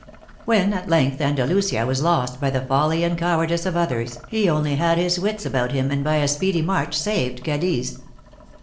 When, at length Andalusia was lost by the folly and cowardice of others, he only had his wits about him, and by a speedy march saved Cadiz.